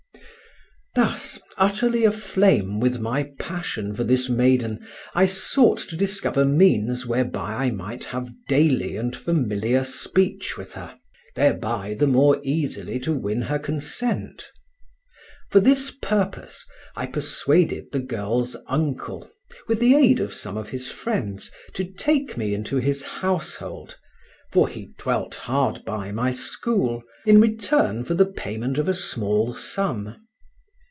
Thus, utterly aflame with my passion for this maiden, I sought to discover means whereby I might have daily and familiar speech with her, thereby the more easily to win her consent. For this purpose I persuaded the girl's uncle, with the aid of some of his friends, to take me into his household for he dwelt hard by my school in return for the payment of a small sum.